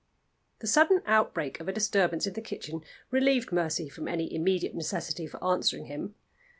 The sudden outbreak of a disturbance in the kitchen relieved Mercy from any immediate necessity for answering him.